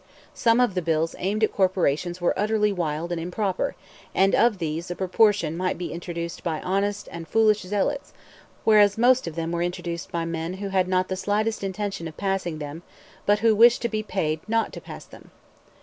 Some of the bills aimed at corporations were utterly wild and improper; and of these a proportion might be introduced by honest and foolish zealots, whereas most of them were introduced by men who had not the slightest intention of passing them, but who wished to be paid not to pass them.